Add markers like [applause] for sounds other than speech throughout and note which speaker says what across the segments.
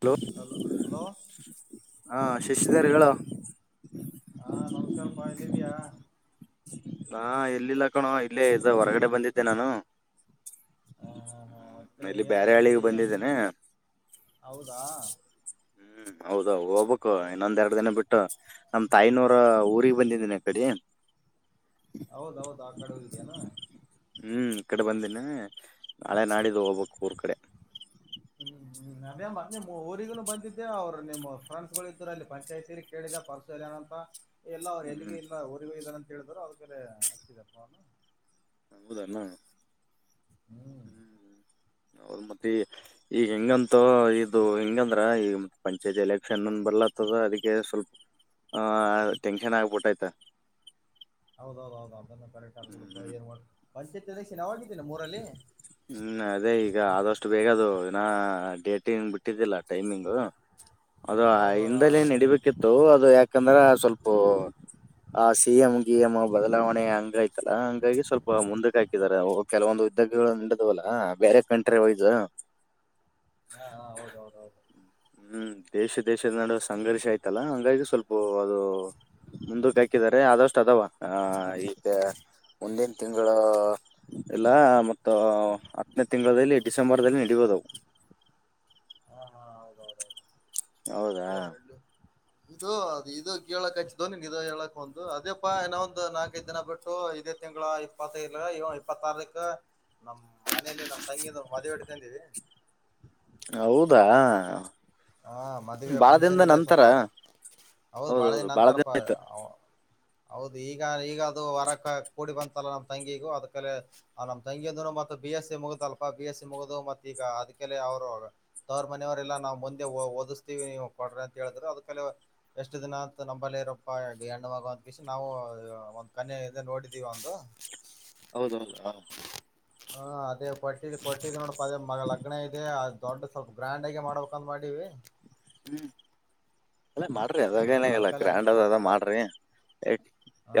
Speaker 1: hello ಹ ಶಶಿಧರ್ ಹೇಳ
Speaker 2: ಹಾ ನಮಸ್ಕಾರಪ್ಪಾ ಎಲ್ಲಿದ್ದಯ
Speaker 1: ನಾ ಎಲ್ಲಿಲ್ಲ ಕಣೋ ಇಲ್ಲೇ ಇದ ಹೊರಗಡೆ ಬಂದಿದ್ದೆ ನಾನು
Speaker 2: ಹ ಹಾ ಹಾ ಮತ್ತೆ
Speaker 1: ಹ್ಮ್ ಇಲ್ಲಿ
Speaker 2: ಏನ್
Speaker 1: ಬೇರೆ
Speaker 2: ನಡದಿದೆ
Speaker 1: ಹಳಿಗೆ ಬಂದಿದ್ದೇನೆ
Speaker 2: ಹೌದಾ
Speaker 1: ಹ್ಮ್ ಹೌದ ಹೋಗ್ಬೇಕು ಇನ್ನೊಂದ್ ಎರಡು ದಿನ ಬಿಟ್ಟು ನಮ ತಾಯಿನವರ ಊರಿಗೆ ಬಂದಿದೀನಿ ಕಡೆ
Speaker 2: ಹೌದೌದು ಆ ಕಡೆ ಹೋಗಿದ್ಯಾನ
Speaker 1: ಇನ್ನ ನಾಳೆ ನಾಡಿದ ಹೋಗ್ಬೇಕು ಊರ್ ಕಡೆ
Speaker 2: ಹ್ಮ್್ಮ ನದೇ ಮ ನಿಮ್ಮ ಊರಿಗನು ಬಂದಿದ್ದೆ ಅವ್ರು ನಿಮ್ಮ ಫ್ರೆಂಡ್ಸ್ ಗಳು ಇದ್ರು ಅಲ್ಲಿ ಪಂಚಾಯಿತಿಲಿ ಕೇಳಿದೆ ಪರಶುಲ್ ಏನ ಅಂತ ಎಲ್ಲ ಅವ್ರು ಎಲ್ಲಿಗೂ
Speaker 1: ಹ್ಮ್
Speaker 2: ಇಲ್ಲ ರಿಗೂ ಇದ್ದಾರ ಅಂತ ಹೇಳಿದ್ರು ಅವದಕಲ್ಲ ಹಸಿದಪ್ಪ ಅವನು
Speaker 1: ಹೌದಾ ನ ಹ್ಮ್ ಅವೌದ ಮತ್ ಈ ಈಗ ಹೆಂಗಂತ ಇದು ಹೆಂಗಂದ್ರ ಈಗ ಮ ಪಂಚಾಯತ್ ಎಲೆಕ್ಷನ್ನ್ ಬರ್ ತದ ಅದಕ್ಕೆ ಸ್ವಲ್ಪ ಆ ಟೆನ್ಷನ್ ಆಗ್ಬಿಟ್ಟೈ್ತ
Speaker 2: ಹೌದೌದೌದು ಅದ ಕ ಏ ಪಂಚಾಯತ್ ಎಲೆಕ್ಷನ್ ನ ಆಗಿದ್ದಿಲ್ಲ ಮೂರಲ್ಲಿ
Speaker 1: ಿನ ಡೇಟಿಂಗ್ ಬಿಟ್ಟಿದ್ದಿಲ್ಲ ಟೈಮಿಂಗು ಅದು
Speaker 2: ಹೌದೌದ
Speaker 1: ಹಿಂದಲನ್ ನಡಿಬೇಕಿತ್ತು ಅದು ಯಾಕಂದ್ರೆ ಸ್ವಲ್ಪ ಆ ಸಿ ಎಂ್ ಗಿ ಎಂ್ ಬದಲಾವಣೆ ಹಂಗ ಆಯ್ತಲ್ಲಾ ಹಂಗಾಗಿ ಸ್ವಲ್ಪ ಮುಂದಕ್ಕೆ ಹಾಕಿದಿದ್ದಾರೆ ಕೆಲವೊಂದು ಉದ್ದಗಳು ನದವಲ್ಲಾ ಬೇರೆ ಕಂಟ್ರಿ ಒಯದು
Speaker 2: ಹಾ ಹ ಹೌದೌದ ಹೌದು
Speaker 1: ಹ್ಮ್ ದೇಶ ದೇಶದ ನಡುವ ಸಂಘರ್ಷ ಆಯ್ತಲ್ಲ ಹಂಗಾಗಿ ಸ್ವಲ್ಪ ಅದು ಮುಂದಕ್ಕೆ ಹಾಕಿದಿದ್ದಾರೆ ಆದಷ್ಟು ಅ ಅಥವಾ ಈಗ ಮುಂದಿನ ತಿಂಗಳ ಇಲ್ಲ ಮತ್ತ ಹತ್ತನೇ ತಿಂಗಳದಲ್ಲಿ ಡಿಸೆಂಬರ್ದಲ್ಲಿ ನಡಿಯೋದವು
Speaker 2: [inaudible] ಹಾ
Speaker 1: ಹೌದಾ
Speaker 2: ಹೌದೌದೌದು ಇದು ಅದು ಇದು ಕೇಳಕ್ ಹಚ್ಚಿದು ನಿನ್ ಇದು ಹೇಳಕ್ ಒಂದು ಅದೇಪ್ಪಾ ಇನ ಒಂದು ನಾಕೈಐದು ದಿನ ಬಿಟ್ಟು ಇದೇ ತಿಂಗಳ ಇಪ್ಪತ್ತೈಲ್ ಇ ಇಪ್ಪತ್ತಾರಕ್ಕ ನಮ್ ಮನೇಲಿ ನಾವ್ ತಂಗಿದ ಮದ್ೆ ಇಡ್ಕೊಂಡೀವಿ
Speaker 1: ಹೌದಾ
Speaker 2: ಹಾ ಮದ್ವವೆ
Speaker 1: ಭಾಳ
Speaker 2: ಫಂಕ್ಷನ್
Speaker 1: ದಿನದ
Speaker 2: ಇದೆ
Speaker 1: ನಂತರ
Speaker 2: ಸ್ವಲ್ಪ ಹೌದು ಬಾಳ
Speaker 1: ಹೌದೌದು
Speaker 2: ದಿನ
Speaker 1: ಭಾಳ
Speaker 2: ಅಂತಾರಪ
Speaker 1: ಆಯ್ತು
Speaker 2: ಹೌದು ಈಗ ಈಗ ಅದು ವರಕ್ ಕೂಡಿ ಬಂತಲ್ಲ ನಮ್ಮ್ ತಂಗಿಗು ಅದಕ ನಮ್ ತಂಗಿಯಿಂದ ಮ ಬಿ ಎಸ್ ಮುಗುದಲ್ ಬಿ ಎಸ್ ಸಿ ಮುಗುದು ಮತ್ತ ಈಗ ಅದಕ್ಕೆ ಅವರು ಅವವ್ರ ಮನೆಯವರೆಲ್ಲ ನಾವು ಮುಂದೆ ಓದಿಸ್ತೀವಿ ನೀವು ಕೊಡ್ರೆ ಅಂತ ಹೇಳಿದ್ರೆ ಅದಕ ಎಷ್ಟು ದಿನತ್ ನಂಬಲ್ಲೇ ಇರಪ್ಪಣ್ಣುಾಗುವ ಷ ನಾವು ಒಂದ್ ಕಣಿಂದ ನೋಡಿದ್ದೀವಿ ಒಂದು
Speaker 1: ಹೌದೌದು ಹದು
Speaker 2: ಹ ಅದೇ ಕೊಟ್ಟಿದ್ದ ಕೊಟ್ಟಿದ್ದ ನೋಡಪ ಅದೇ ಮ ಲಗ್ನ ಇದೆ ದೊಡ್ಡ ಸ್ವಲ್ಪ ಗ್ರ್ಯಾಂಡ್ಗ ಮಾಡ್ಬೇಕಂತ ಮಾಡೀವಿ
Speaker 1: ಹ್ಮ್ ಅಲ್ಲ ಮಾಡ್ರಿ
Speaker 2: ಹ
Speaker 1: ಅದಾಗೇನ ಇಲ್ಲ
Speaker 2: ಅದ್ಕಲೆ
Speaker 1: ಗ್ರ್ಯಾಂಡ್ ಅದ ಅದ ಮಾಡ್ರಿ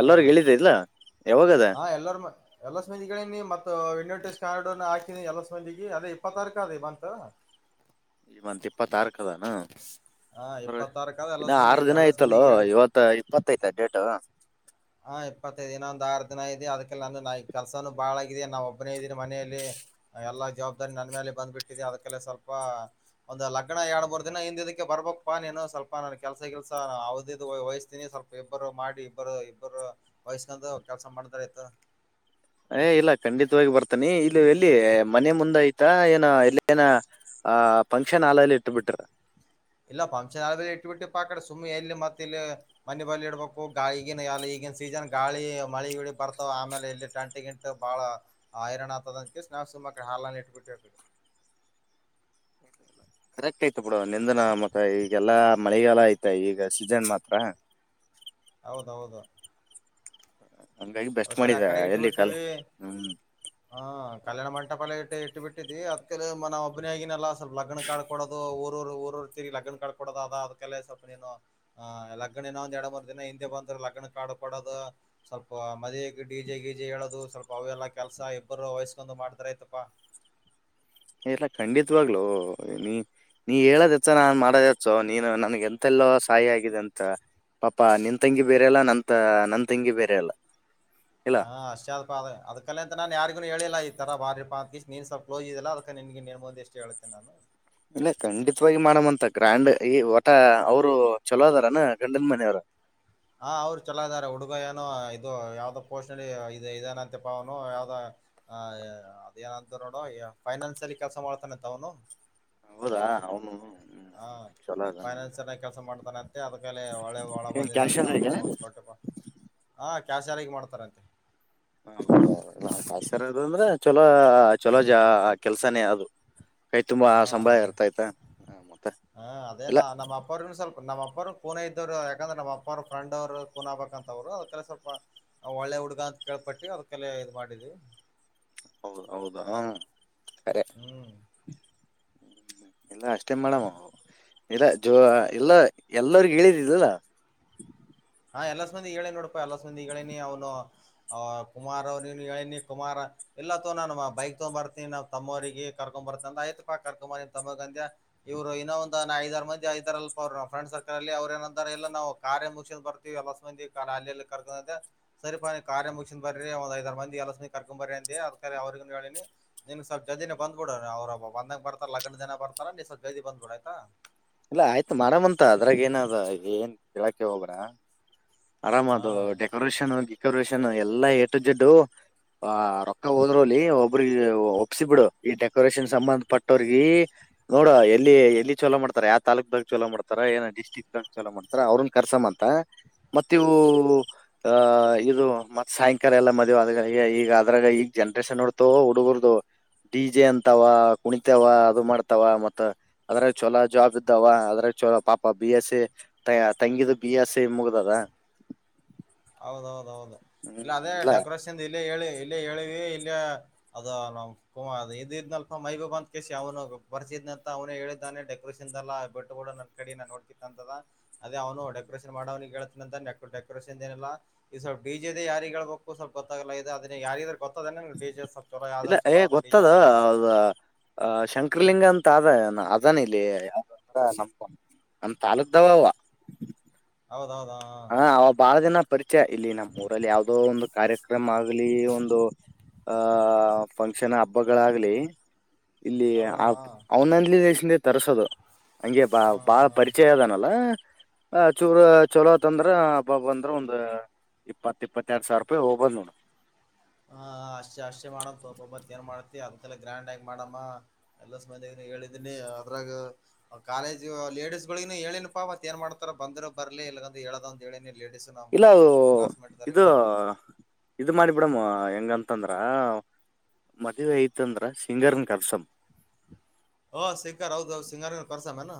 Speaker 1: ಎಲ್ಲಾರ್ಗ ಹೇಳಳಿದ ಇಲ್ಲ ಯಾವಾಗದ
Speaker 2: ಹಾ ಎಲ್ಲಾರಮ ಎಲ್ಲಾ ಸಂಬಂದಿಗಳೇ ನೀ ಮತ್ತ ಇಟೆ ಕಾನಡನ ಹಾತೀನಿ ಎಲ್ಲಾಬಧಿಿಗೆ ಅದೇ ಇಪ್ಪತ್ತ ತಾರಕು ಅದೇ ಬಂತತ್ ಹ
Speaker 1: ಈ ಮತ್ ಇಪ್ಪತ್ತಾರಕ್ ಅದಾನ
Speaker 2: ಹಾ ಇಪ್ಪತ್ತಾರಕ ಅದ
Speaker 1: ಇನ್ನು
Speaker 2: ಎಲ್ಲಸ್ ಮಂದಿ
Speaker 1: ಆರು ದಿನ
Speaker 2: ಎಲ್ಲಸ್
Speaker 1: ಆಯ್ತಲ್ಲೋ
Speaker 2: ಮಂದಿಗೆ
Speaker 1: ಇವತ್ತ ಇಪ್ಪತ್ತಐ್ತ ಡೇಟ್
Speaker 2: ಹಾ ಇಪ್ಪತ್ತೈದು ದಿನ ಒಂದ್ ಆರು ದಿನ ಇದೆ ಅದಕ್ಕೆ ನಂದ ನ ಕೆಲಸಾನು ಬಾಳ ಆಗಿದೆ ನಾವ ಒಬ್ನೇ ಇದೀಿ ಮನೆಯಲ್ಲಿ ಎಲ್ಲಾ ಜವಾಬ್ದಾರಿ ನನ್ ಮೇಲೆ ಬಂದ್ಬಿಟ್ಟಿದಿದೆ ಅದಕ್ಕಲ್ಲ ಸ್ವಲ್ಪ ಒಂದು್ ಲಗ್ನ ಎರಡ್ ಮೂರ್ ದಿನ ಹಿಂದಿದಕ್ಕೆ ಬರ್ಬಕ್ಪ್ಪಾ ನೀನು ಸ್ವಲ್ಪ ನಾನು ಕೆಲ್ಸ ಕೆಲ್ಸ ಅವದಿದ ವಹಿಸ್ತಿನಿ ಸ್ವಲ್ಪ ಇಬ್ಬರು ಮಾಡಿಬ್ಬರು ಒರು ವಯಸ್ಕಂದು ಕೆಲ್ಸ ಮಾಡಿದಾರ ಆಯ್ತ
Speaker 1: ಏ ಇಲ್ಲ ಖಂಡಿತವಾಗಿ ಬರ್ತಾನಿ ಇಲ್ಲಿ ಎಲ್ಲಿ ಮನೆ ಮುಂದೆ ಆಯ್ತಾ ಏನ ಎಲ್ಲ ಏನ ಆ ಫಂಕ್ಷನ್ ಹಾಲಲ್ಲಿ ಇಟ್ಟ ಬಿಿಟ್ರ
Speaker 2: ಇಲ್ಲಫಂಕ್ಷನ್ ಇಟ್ಟು ಬಿಟ್ಟು ಪಾಕಡೆ ಸುಮ್ಮನೆ ಎಲ್ಲಿ ಮತ್ತೆ ಇಲ್ಲಿ ಮನೆ ಬಲಿ ಇಡ್ಬೇಕು ಗಾಯಿಗಿನ ಎ ಈಗ ಈಗಿನ ಸೀಸನ್ ಗಾಳಿ ಮಳಿ ಇಡ ಬರ್ತಾವ ಆಮೇಲೆ ಇಲ್ಲಿ ಟಂಟಿ ಗಿಂು ಬಹಳ ಐರಣನ್ ಆಗ್ತದ ಸ ಮಡೆ ಹಲ್ಲನ್ನ ಇಟ್ಬಿಟ್ಟು
Speaker 1: ಕರೆಕ್ಟ್ ಆಯ್ತ ಬಿುಡ ನಿಂದನ ಮತ್ತ ಈಗೆಲ್ಲಾ ಮಳೆಗಾಲ ಆಐ್ತ ಈಗ ಸೀಜನ್ ಮಾತ್ರ
Speaker 2: ಹೌದೌದು
Speaker 1: ಹಂಗಾಗಿ ಬೆಸ್ಟ್
Speaker 2: ಅದಕ್ಕಲ್ಲ
Speaker 1: ಮಾಡಿದೆ
Speaker 2: ಅಕಡೆ ಇಟ್ಟ
Speaker 1: ಎಲ್ಲಿ ಕಾಲ
Speaker 2: ಬಿಟ್ಟವಿ
Speaker 1: ಹ್ಮ್
Speaker 2: ಹಾ ಕಲ್ಯಾಣ ಮಂಟಪಾಲ ಇಟ್ಟ ಇಟ್ಟು ಬಿಟ್ಟಿದ್ವಿ ಅದಕ ಮ ಒಬ್ಬನ ಆಗನಲ್ಲ ಸ್ವಲ್ ಲಗ್ನ ಕಾಡ್ಡೋದು ಊರೂರು ಊರೂರು ಕೊಡ್ತ ಲಗ್ನ ಕಾಡ್ ಕೊಡೋದ ಅದಕ್ಕೆೇ ಸ್ವಲ್ಪ ನೀನು ಲಗ್ನ ಒಂದ ಎರಡು ಮೂ ದಿನ ಹಿಂದೆ ಬಂದ್ ಲಗ್ನ ಕ ಪಡದ ಸ್ವಲ್ಪ ಮದಕ್ಕೆ ಡಿಜೆ ಗೀಜೆ ಹೇಳೋದು ಸ್ವಲ್ಪ ಅವೆಲ್ಲಾ ಕೆಲ್ಸ ಇಬ್ಬರು ವಯಸ್ಕೊಂಡ್ ಮಾಡ್ತಾರ ಆತಪಾ [inaudible]
Speaker 1: ಎಲ್ಲಾ ಖಂಡಿತವಾಗ್ಲುೂ ನೀ ನೀ ಹೇಳದತ್ತ ನಾನ್ ಮಾಡದಚ್ಚೋ ನೀನು ನನ್ಗೆ ಎಂತೆಲ್ಲೋ ಸಾಯಿ ಆಗಿದೆ ಅಂತ ಪಾಪಾ ನಿನ್ ತಂಗಿ ಬೇರೆಲ್ಲಾ ನಂತ ನನ್ ತಂಗಿ ಬೇರೆ ಅಲ್ಲ ಇಲ್ಲ
Speaker 2: ಹಾ ಅಷ್ಟ್ ಅಪಾ ಅ ಅದಕಲ್ಲಂತ ನಾನ್ ಯಾರಿಗೂ ಹೇಳಿಲ್ಲಾ ಈ ತರ ಬಾರಿ ಪಿ್ ನೀನ್ ಸ್ಲ್ಪ್್ಸ್ ಇದೆಲ್ಲ ಅದ ನಿನ್ಗೆ ನೀನ್ ಮುಂದ ಎಷ್ಟು ಹೇಳ್ೇನೆ ನಾನು
Speaker 1: ಇಲ್ಲ ಖಂಡಿತವಾಗಿ ಮಾಡಮಂತ ಗ್ರ್ಯಾಂಡ್ ಈ ಒಟ ಅವರು ಚಲೋ ಅದಾರನ ಗಂಡನ ಮನೆಯವರ
Speaker 2: ಹ ಅವ್ರು ಚಲ ಇದಾರೆ ಹುಡುಗ ಏನು ಇದು ಯಾವ್ದ ಪೋಷಣ ಇ ಇದನ ಅಂತೆ ಪಾವನು ಯಾವ್ದ ಹ ಅದೇಏನಂತು ನೋಡ ಫೈನಾನ್ಸ ಅಲ್ಲಿ ಕೆಲ್ಸ ಮಾಡ್ತಾನಂತ ಅವನು
Speaker 1: ಹೌದಾ ಅವನು
Speaker 2: ಹಾ
Speaker 1: ಚಲೋ ಅದ ನಂಗ
Speaker 2: ಫೈನಾನ್ಸ ಕೆಲಸ ಮಾಡ್ತಾನೆ ಅದ್ಕ ಒಳೆ ಒಳ
Speaker 1: ಏನ್
Speaker 2: ಬಂದಿದೆ ಅಂತ
Speaker 1: ಕ್ಯಾಶರ್ ಈಗ
Speaker 2: ನಾವನು ಕೊಟ್ಟ ಕ್ಯಾ ಸಾರಿಗೆ ಮಾಡ್ತಾರಂತೆ
Speaker 1: ಹ ಆಸರ ಅದು ಅಂದ್ರೆ ಚೊಲೋ ಚಲೋ ಜ ಕೆಲ್ಸನೇ ಅದು ಕೈ ತುಂಬ
Speaker 2: ಹಾ ಅದೇ
Speaker 1: ಸಂಭಯ ಇರ್ತೈತೆ ಮತ್ತೆ ಇಲ್ಲ
Speaker 2: ನಮ್ಮ್ಪ್ಪರು ಕೂನ ಇದ್ದವರು ಯಾಕಂದ್ರೆ ನಮ್ಮ ಅಪ್ಪ ಫ್ರಂಡ್ರು ಕೂನ ಬಬೇಕಂತವ್ರು ಅದ ಕೆಲ ಸ್ವಲ್ಪ ಒಳ್ಳೆ ಹುಡುಗ ಅಂತ ಕೇಳ್ಪಟ್ಟಿ ಅವ್ರ ಕಲ್ಲ ಇ ಮಾಡಿದವಿ
Speaker 1: ಹೌದ ಹೌದ ಹ ಅರೆ
Speaker 2: ಹ್ಮ್
Speaker 1: ಎಲ್ಲ ಅಷ್ಟೇ ಮಾಡಮ್ಮ ಇಲ್ಲ ಜೋ ಎಲ್ಲ ಎಲ್ಲರಿಗ ಹೇಳಿದಿದಲ್ಲ
Speaker 2: ಹಾ ಎಲ್ಲ ಸಬಂದಿ ಹೇಳಿ ನೋಡಪಾ ಎಲ್ಲ ಸ ಮಂದಿ ಹೇಳನಿ ಅವ್ನು ಅ್ ಕುಮಾರ್ ಅವ್ನು ಹೇಳನಿ ಕುಮಾರ್ ಎಲ್ಲಾ ತೋ ನಮ್ಮ ಬೈಕ್ ತಗೊ ಬರ್ತನಿ ನ್ ತಮ್ಮ್ರರಿಗೆ ಕರ್ಕೊ ಬರ್ತ ಅ ಆಯತಪ್ಪಾ ಕರ್ಕೊ್ಂಬರ್ ತಮ್ಮ ಗ ಅಂದ ಇವರು ಇನ್ನೊ ಒಂದು ನ ಐದರ ಮಂದ ಐದರ ಅಲ್ ಅವ್ ಫ್ರೆಂಡ್ರ್ಕಲ್ಲ್ಲಿ ಅವ್ರರು ನಂದಾರೆಲ್ಲ ನಾ ಕಾರ್ಯ ಮು ಬ ಎಲ್ಲ ಮಂದ ಅಾಲಿಯಲ್ಲಿ ಕರ್ಕ ಸರಿಪ ಕ ಕಾರ್ಯ ಮುಗಸ್ ಬರ್ರರಿಂದ್ ಐದರ ಮಂದ ಎಸಂದಿ ಕರ್ಕೊಂಡ್ ಬರಿ ಅದಕ ಅವ್ರಗ ಹೇಳಿ ನಿನ್ಗೆ ಸ್ವಲ್ ಜದಿನ ಬಂದಬ ಬಿಡ ಅವಬ್ಬ ಬಂದ ಬರ್ತಾರ ಲಗ್ನ ದಿನ ಬರ್ತಾರ ನೀ ಸ್ವಲ್ಪ ಗದಿ ಬಂದಬಡಾಯತಾ
Speaker 1: ಇಲ್ಲ ಕೆಳಕ್ಕೆ ಹಬರ ಆರಾಮ ಅದು
Speaker 2: ಹಾ
Speaker 1: ಡೆಕೋರೇಷನ್ ಡಿಕೋರೇಷನ್ ಎಲ್ಲಾ ಎಟು ಜಡ್ಡು ಆ ರೊಕ್ಕ ಹೋದ್ರಲಿ ಒಬ್ಬ್ರಿಗೆ ಒಪ್ಸ ಬಿಡು ಈ ಡೆಕೋರೇಷನ್ ಸಂಬಂಧ ಪಟ್ಟವ್ರಗ ನೋಡ ಎಲ್ಲಿ ಎಲ್ಲಿ ಚೋಲ ಮಾಡ್ತಾರ ಯಾ ತಾಲೂಕಕ್ ದಾಗ ಚಲ ಮಾಡತಾರ ಏನ ಡಿಸ್ಟ್ರಿಕ್ ದಾಗ ಚಲೋ ಮಾಡ್ತಾರ ಅವ್ರನ್ ಕರ್ಸ ಮಾಡ ಮಂತ ಮತ್ತ ಇವು ಆಹ ಇದು ಮತ್ ಸಾಯಂಕಾಲ ಎಲ್ಲ ಮದುವೆ ಆದ ಈಗ ಅದ್ರಾಗ ಈಗ ಜನ ಸ ನೋಡ್ತವ ಹುಡುಗರ್ದು ಡಿ ಜೆ ಅಂತವ ಕುಣಿತಾವ ಅದು ಮಾಡ್ತಾವ ಮತ್ತ ಅದ್ರ ಚೊಲೋ ಜಾಬ್ ಇದ್ದಾವ ಅದ್ರೆ ಚಲೋ ಪಾಪ ಬಿ ಎಸ್ ಸಿ ತಂಗಿದು ಬಿ ಎಸ್ ಸಿ ಮುಗ್ದದ [inaudible]
Speaker 2: ಹೌದೌದೌದು ಇಲ್ಲ ಅದೇ ಡೆಕೋರೇಷನ್ ಇಲ್ಲಿ ಹೇಳಿ ಇಲ್ಲ ಹೇಳಿವವಿ ಇಲ್ಲೇ ಅದು ನ ಕು ಇದ್ನಲ್ಪ ಮೈಗ ಬಂತ ಕ ಯನು ಪರಿಸಚಿತಿ ಅವ ಹೇಳಿದ್ದಾನೆ ಡೆಕೋರೇಷನ್ಲ್ಲ ಬಿಟ್ಟ ಕೂಡ ನ ಕಡೆ ನ ನೋಡ್ತಿ ಅಂತ ಅದೇ ಅವನು ಡೆಕೋರೇಷನ್ ಮಾಡ ಮಾಡಾವಿ ನಂತ ಡೆಕೋರೇಷನ್ ಲ್ಲ ಈ ಸ್ಲ್ ಡಿ ಜೆ ದ ಯಾರಿಿಗೆ ಹೇಳ್ಬೇಕು ಸ್ವಲ್ಪ ಗೊತ್ತಲ್ಲ ಇದೆ ಅದ ಯಾರ ಗೊತ್ತದ ಡಿ ಜೆ ಚಲೋ
Speaker 1: ಇಲ್ಲ
Speaker 2: ಯಾವ್ದ
Speaker 1: ಏ
Speaker 2: ಚಲೋ ಆದ ಡಿ ಜೆ ಅಂತ
Speaker 1: ಗೊತ್ತದದ ಶಂಕರ್ ಚಿಕ್ರಲಿಂಗ ಅಂತ ಅ ಅದಾನ ಇಲ್ಲಿ ಯ ನ ನಮ ತಾಾಲೂಕಕ್ದಾವ ಅವ
Speaker 2: ಹೌದೌದ
Speaker 1: ಹ ಅವ ಬಾಳ ದಿನ ಪರಿಚಯ ಇಲ್ಲಿ ನಮ್ಮ ಊರಲ್ಲಿ ಯಾವದೋ ಒಂದು ಕಾರ್ಯಕ್ರಮ ಆಗ್ಲಿ ಒಂದು ಆಹ ಫಂಕ್ಷನ್ ಹಬ್ಬಗಳಾಗ್ಲಿ ಇಲ್ಲಿ ಆ
Speaker 2: ಹೌದೌದ ಹಾ
Speaker 1: ಅವನಂದಲ ದಸಿಂದ ತರ್ಸೋದು ಹಂಗೆ ಬಾ
Speaker 2: ಹಾ
Speaker 1: ಬಾ
Speaker 2: ಹಾ
Speaker 1: ಪರಿಚಯ ಅದನಲ್ಲ ಚೂರು ಚಲೋ ಇತ್ತಂದ್ರ ಹಬ್ಬ ಅಂದ್ರ ಒಂದ್ ಇಪ್ಪತ್ತ ಇಪ್ಪತ್ತ ಎರಡು ಸಾವಿರ ರೂಪಾಯಿ ಹೋಗಬಂದ್ ನ
Speaker 2: ಹಾ ಅಷ್ಟೆ ಅಷ್ಟೇ ಮಾಡತ್ ಒಬ್ಬಬ್ಬತ್ ಏನ್ ಮಾಡ ಅದಂತೆಲ್ಲ ಗ್ರ್ಯಾಂಡ್ ಆಗಿ ಮಾಡಮ್ಮ ಎಲ್ಲಂದ ಹೇಳಿದೀನಿ ಅದ್ರಾಗ ಕಾಲೇಜ್ ಲೇಡಿಸಸ್ ಗಳಗನು ಹೇಳೇನಪ್ಪಾ ಮತ್ತ ಏನ್ ಮಾಡ್ತಾರ ಬಂದ್ ಬರ್ಲಿ ಇಲ್ಲ ಹೇಳುದದ ಹೇಳನ
Speaker 1: ಇಲ್ಲ ಅದು ಇದು ಇದು ಮಾಡಿ ಬಿಡಮ್ ಹೆಂಗಂತಂದ್ರ ಮದ್ವೆ ಐತಂದ್ರ ಸಿಂಗರ್ನ್ ಕರ್ಸಂ
Speaker 2: ಓ ಸಿಂಗರ್ ಹೌದು ಸಿಂಗರ್ ಕರ್ಸಮೇನ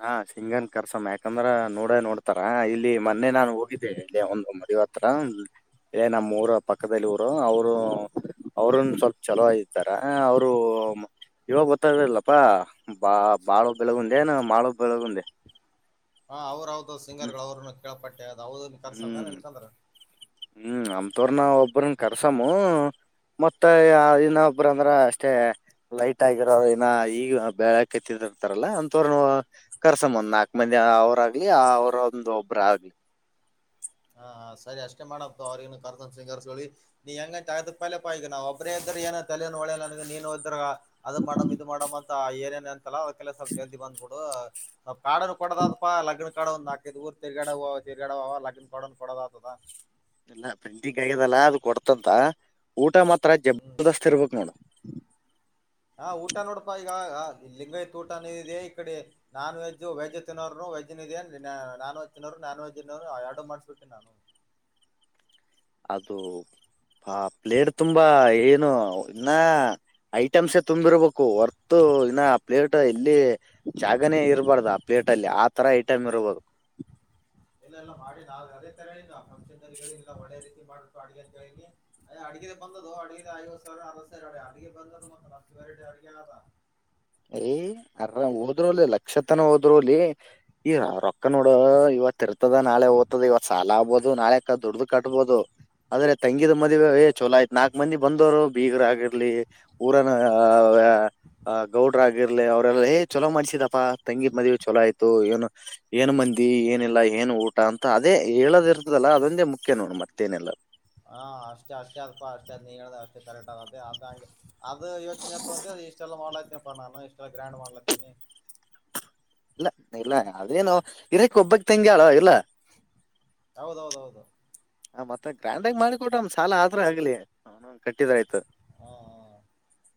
Speaker 1: ನಾ ಸಿಂಗನ್ ಕರ್ಸಮ್ಮ ಯಾಕಂದ್ರ ನೋಡ ನೋಡ್ತಾರ ಇಲ್ಲಿ ಮೊನ್ನೆ ನಾನ್ ಹೋಗಿದ್ದೇನೆ ಇ ಒಂದೊ ಮದವತ್ರತ್ರ ಏ ನಮ್ಮ್ ಊರು ಪಕ್ಕದಲ್ಲಿ ಊರು ಅವರು ಅವ್ರನ್ ಸ್ವಲ್ಪ ಚಲೋ ಇದತಾರ ಅವರು ಇವಾಗ ಗೊತ್ತದಿಲ್ಲಪ್ಪಾ ಬಾ ಬಾಳ ಬೆಳಗುಂದೇ ನ ಮಾಡೋ ಬೆಳಗುಂದೆ
Speaker 2: ಹಾ ಅವ್ರಾವ್ದ ಸಿಂಗರ್
Speaker 1: ಹ್ಮ್
Speaker 2: ಗಳು ಅವ್ರನು ಕೇಳಳ್ಪಟ್ಟೆ ಅ್ದ ನಿಖಾರ ಸಮಯಾನ
Speaker 1: ಹ್ಮ್
Speaker 2: ನಿಲ್ಕಂತ
Speaker 1: ಹ್ಮ್ ಅಮ ತೋರ ನ ಒಬ್ಬ್ರನ್ನ ಕರ್ಸಾಮ ಮತ್ತ ಇನ್ನೊಬ್ರ ಅಂದ್ರ ಅಷ್ಟೇ ಲೈಟ್ ಆಗಿರೋ ಇನ ಈಗ ಬೆಳಕತ್ತಿದರ್ತಾರಲ್ಲ ಅಂತವ್ರ ಕರ್ಸ ಒಂದ್ ನಾಲ್ಕ ಮಂದಿ ಅವ್ರಾಗ್ಲಿ ಅವರ ಒಂದ ಒಬ್ಬ್ರ ಆಗ್ಲಿ
Speaker 2: [inaudible] ಹಾ ಸರಿ ಅಷ್ಟೇ ಮಾಡಪ್ಪು ಅವ್ರಗನು ಕರ್ತ ಸಿಂಗ ಸಿ ನೀ ಹೆಂಗ ಪಪಗ ನಾ ಒಬ್ರೇದ್ದ ಏನ ತಲೆ ಒಳೆ ನನಗೆ ನೀನ್ ಹೋದ್ರಾಗ ಅದ ಮಾಡಮ್ ಇದು ಮಾಡಮ್ ಅಂತ ಏನೇನ ಲ ಅವ ಕೆಲಸವಲ್ಪ ಜಲ್ದಿ ಬಂದ್ಬಿಡು ಕಡ ಕೊಡದತ್ಪ್ಪಾ ಲಗ್ನ ಕಾಡ ಒಂದು ಹಾಕಿದ್ ಊರ್ ತಿರ್ಗಾಡ ತಿರ್ಗಡ ಅವ ಲಗ್ನ ಕಡನ್ ಕೊಡದತದಾ
Speaker 1: ಇಲ್ಲ ಬೆೆಂಡಿ ಗೈದಲ್ಲಾ ಅದು ಕೊಡ್ತಂತ ಊಟ ಮಾತ್ರ
Speaker 2: ಹ್ಮ್
Speaker 1: ಜಬರ್ದಸ್ತ್ ಇರ್ಬೇಕಕ್ ನೋಡ ಹ್ಮ್
Speaker 2: ಹಾ ಊಟ ನೋಡಪಾ ಈಗ ಲಿಂಗೈ್ಯ ತೂಟ ಅ ಇದೆ ಇಡೆ ನಾನ್ವೆೆಜ್ ವಜ್ ತಿನ್ನೋರು ವಜ್ದೆ ನನ್ವೆಜ್ ತಿನ್ನೋರು ನಾನವಿನ ಆಡೋ ಮಾಡ್ಿಸಬಿಡ್ಟ್ಟೇಿ ನಾನು
Speaker 1: ಅದು ಹ ಪ್ಲೇಟ್ ತುಂಬಾ ಏನು ಇನ್ನ ಐಟಮ್ಸ ತುಂಬಿರ್ಬೇಕು ವರ್ತ ಇನ್ನ ಪ್ಲೇಟ್ ಎಲ್ಲಿ ಜಾಗನೇ ಇರಬಾರ್ದ ಆ ಪ್ಲೇಟ್ ಅಲ್ಲಿ ಆ ತರ ಐಟಮ್ ಇರ್ಬೋದು
Speaker 2: ಇಲ್ಲ ಎಲ್ಲಾ ಮಾಡಿ ನಾಲ್ ಅದೇ ತರ ಹೇಳಿ ನಾ ಫಂಕ್ಷನ್ಲ್ಲ ಒಳ್ಳೆ ರೀತಿ ಮಾಡ್ಿಟ್ಟು ಅಡುಗೆ ಅಂತೇಳನಿೇ ಅ ಬ ಅ ಅ ಬ
Speaker 1: ಯ ಅರಾಮ್ ಹೋದ್ರೂಲಿ ಲಕ್ಷತನ ಹೋದ್ರುಲಿ ಈ ರೊಕ್ಕ ನೋಡ ಇವತ್ತ ಇರ್ ಹತದ ನಾಳೆ ದ್ತದ ಇವತ್ತು ಸಾಲ ಆಗ್ಬಹುದು ನಾಳೆ ದುಡ್ದು ಕಟ್ಟಬಹುದು ಅದ್ರೆ ತಂಗಿದ ಮದುವೆ ಏ
Speaker 2: ಹೌದೌದು
Speaker 1: ಚೋಲೋ ಆಯತತ್ ನಾಲ್ಕ್ ಮಂದ ಬಂದ್ರು ಬೀಗರ ಆಗರ್ಲಿ ಊರನ ಗೌಡ್ರ ಆಗಿರ್ಲಿ ಅವ್ರಲ್ಲ ಏ ಚಲೋ ಮಾಡ್ಿಸಿದಪ್ಪಾ ತಂಗಿದ ಮದಿ ಚಲ ಆಯ್ತು ಏನು ಏನು ಮಂದಿ ಏನಿಲ್ಲ ಏನ್ ಊಟ ಅಂತ ಅದೇ ಹೇಳೋದ ಇರ್ತದಲ್ಲ ಅದೊಂದೆ ಮುಖ್ಯ ನೋಡ್ ಮತ್ತೇನಿಲ್ಲ
Speaker 2: ಹಾ ಅಷ್ಟೇ ಅಷ್ಟೇ ಅದ್ಪಾ ಅಷ್ಟೇ ಅ್ ನೀ ಹೇಳ ಅಷ್ಟೇ ಕರೆಕ್ಟ್ ಆದ ಅದಂಗೆ ಅದು ಯೋಚನೆತ್ತು ಅಂತ ಇಷ್ಟೆಲ್ಲ ಮಾಡ್ಲಾತೀನಿಪ್ಪ ನಾನು ಇಷ್ಟೆಲ್ಲ ಗ್ರ್ಯಾಂಡ್ ಮಾಡ್ಲಾತೀನಿ
Speaker 1: ಇಲ್ಲ ಇಲ್ಲ ಯೇನು ಇರಕ್ ಒಬ್ಬಕ್ ತಂಗಿ ಅಳ ಇಲ್ಲ
Speaker 2: ಹೌದೌದೌದು
Speaker 1: ಆ ಮತ್ತೆ ಗ್ರ್ಯಾಂಡ್ ಆಗ ಮಾಡಿಕ ಕೊಟ್ರ ಅವಂದ್ ಸಾಲ ಆದ್ರ ಆಗ್ಲಿ ಅವ ಕಟ್ಟಿದ್ರ ಆಯ್ತು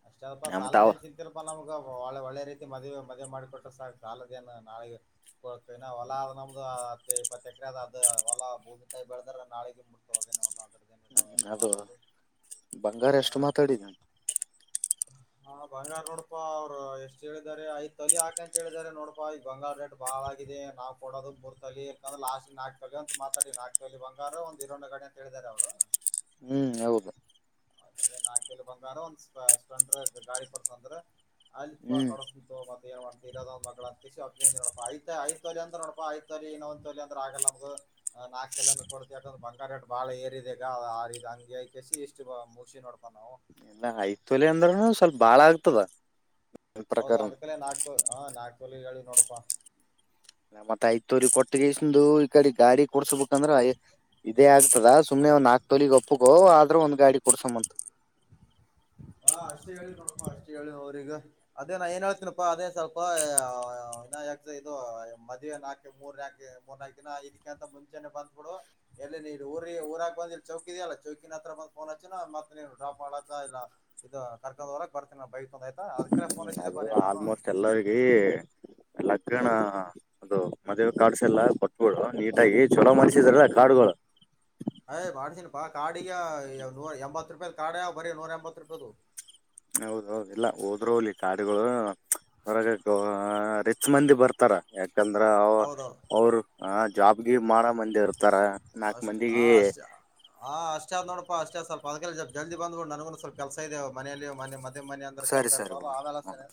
Speaker 2: ಅಷ್ಟ ಅಲ್ಪಾ
Speaker 1: ನಮ್ ತಾವ
Speaker 2: ಸಾಲದನ್ ಚಿತಿಲ್ಪ ನಮ್ಗ ಒೆ ಒಳ್ಳೆ ರೀತಿ ಮದುವೆ ಮದುವೆ ಮಾಡಿಕೊಟ್ಟು ಸಾ ಸಾಲದ ನಾಳೆಗೆ ಕೊ ಹೊಲ ಆದ ನಮ್ದು ಇಪ್ಪ ಅದ ಅದು ಅವಲ್ಲ ಭೂಮಿ ತಾಯ ಬೆಳದ್ರೆ ನಾಳಗ ಮುಡ್ತವ ಅದೇ
Speaker 1: ಅದು ಬಂಗಾರ
Speaker 2: ಹ
Speaker 1: ಎಷ್ಟಟಮಾ ತಡ ನ
Speaker 2: ಹಾ ಬಂಗಾರ ನೋಡ್ಪಾ ಅವ್ರು ಎಷ್ಟ್ ಹೇಳಿದ್ದಾರೆ ಐದ್ ತೊಲಿ ಹಾಕ ಅಂತ ಹೇಳಾರೆ ನೋಡಪಾ ಈಗ ಬಂಗಾರ ದಡ್ ಬಾ ಹಾಾಗಿದೆ ನಾವು ಕೊಡೋದು ಬುರ್ತ ಇಕಂದ್ರೆ ಲಾಸ್ಟ್ ನಾಕಕ್ ತಲಿ ಅಂತ ಮಾತಾಡಿ ನಾಕಕ್ ತಲಿ ಬಂಗಾರ ಒಂದು ಇರೊಂದು ಗಾಡೆ ಹೇಳಿದಿದ್ದಾರೆ ಅವರು
Speaker 1: ಹ್ಮ್ ಹೌದು
Speaker 2: ನಾಕ್ ತೊಲಿ ಬಂಗಾರ ಒಂದ ಸ್ಲೆಂಡರ್ ಗಾಿ ಕೊಡಸ ಅಂದ್ರೆ ಅಲ್ಲಿತ್
Speaker 1: ಹ್ಮ್
Speaker 2: ಕಡಸಬು ಮ ಏನ್ ಮಾಡ್ತಿ ಇರದೊಂದ ಮಳ ಅಂತ ನೋಡಾ ಐ ಐ್ ತಲಿ ಅಂದ್ರ ನೋಪಾ ಐ್ ತೋ ಇನ್ನೊಂದ ತೊಲಿಂದ್ರ ಆಗಲ್ಲ ನಮಗ ನ ನಾಕ್ ತಲ ಅಂದ ಕೊಡ್ತ ಯಾಕಂದ್ರ ಬಂಗಾರ ರಟ್ ಬಾಳ ಏರಿದೆಗ ಆ ಹಂಗಗೆಕಸಿ ಇಷ್ಟ ಚುಾ ಮುಗಸಿ ನೋಡ್ತ ನಾವು
Speaker 1: ಎಲ್ಲ ಐತೊಲೆ ಅಂದ್ರನು ಸ್ವಲ್ಪ ಬಾಳ ಆಗ್ತದ ನನ್
Speaker 2: ಹೌದು
Speaker 1: ಪ್ರಕಾರ
Speaker 2: ಅದ್ಕಲೆ ನಾಕು ಹ ನಾಲ್ಕಲ್ಲಿ ಹೇಳಿ ನೋಡಪ್ಪಾ
Speaker 1: ನ ಮತ್ತ ಆಯ್ತೋ್ರ ಕೊಟ್ಟಿಗೆಸಂದು ಈ ಕಡೆ ಗಾಡಿ ಕೊಡ್ಸ್ಬೇಕಂದ್ರ ಇದೇ ಆಗ್ತದ ಸುಮ್ನೆ ಒ್ ನಾಲ್ಕ್ ತಲಿಗೆ ಒಪ್ಪಗೋ ಆದ್ರೂ ಒಂದ್ ಗಾಡಿ ಕೊಡ್ಸಂತ
Speaker 2: ಹ ಅಷ್ಟೇ ಹೇಳಿ ನೋಡಪ್ಪ ಅಷ್ಟೇ ಹೇಳಿ ಅವ್ರಗ ಅದೇ ನಾ ಏನ್ ಹೇಳ್ತೀನಪ್ಪಾ ಅದೇ ಸ್ಲ್ಪ ಯಾ ಇದು ಮದವಿ ನಾಕು ಮೂರ್ ನಕ ಮೂರ್ನಾಾಕಕ್ ದಿನ ಇದಕ್ಕೆ ಅಂತ ಮುಂಚೆನೆ ಬಂದ್ಬಿಡು ಎ ನೀ ಊ ಊರಾಗ ಬಂದಿ ಚೌಕಿದ ಅಲ್ಲ ಚೌಕಿಿನ ಹತ್ರ ಬ್ ಫೋನ್ ಹಚ್ಚ ಮತ್ತೆ ನೀನು ಡ್ರಾಪ್ ಮಾಡ ಇಲ್ಲ ಇದು ಕರ್ಕೊಂಡ್ ಹೊರಕ್ ಬರ್ತೇ ನ ಬೈ
Speaker 1: ಹ್ಮ್ ಅದು ಆಲ್ಮೋಸ್ಟ್ ಎಲ್ಲರಿಗ ಲಕ್ಕಣ ಮದ್ ಕಾಡ್ಸ್ ಎಲ್ಲಾ ಕೊತ್ಗಳು ನೀಟಾಗಿ ಚೊಲೋ ಮಲ್ಸಿದ್ರ ಕಾಡುಗಳು
Speaker 2: ಅಯ್ ಮಾಡ್ಸಿನ ಪಾ ಕಾಡಿಗ ನೂರ ಎಂಬತ್ ರೂಪಾಯದ ಕಾಡ ಬರೀ ನೂರ ಎಂಬತ್ ರೂಪಾಯದು
Speaker 1: ಹೌದ ಹೌದು ಇಲ್ಲ ಹೋದ್ರೂಲಿ ಕಾಡುಗಳು ಹೊರಗ ರೆಚ್ ಮಂದಿ ಬರ್ತಾವ ಯಾಕಂದ್ರ
Speaker 2: ಹೌದೌದು
Speaker 1: ಅವ್ರ ಜಾಬ್ಗೆ ಸುಮಾರ ಮಂದಿ ಇರ್ತಾರ ನಾಕು ಮಂದಿಗೆ
Speaker 2: ನೋಡಪ ಅಷ್ಟೇ ಸ್ವಲ್ಪ ಅದ ಜಲ್ದಿ ಬ್ು ನನಗು ಸ್ವಲ್ ಕೆಲಸ ಇದೆ ಮನೆಯಲ್ಲಿ ಮತ್ತೆ ಮ ಮನ ಅಂದ್ರೆ ಕೆಲಸ
Speaker 1: ಸರಿ ಸರಿ
Speaker 2: ಇರ್ತವಾರಲ್ಲ
Speaker 1: ಓಕೆ ಹ್ಮ
Speaker 2: ಅವೆಲ್ಲತೇನೆ